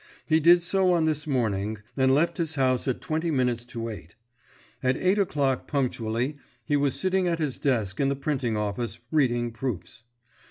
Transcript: He did so on this morning, and left his house at twenty minutes to eight. At eight o'clock punctually he was sitting at his desk in the printing office, reading proofs.